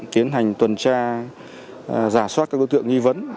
tiến hành tuần tra giả soát các đối tượng nghi vấn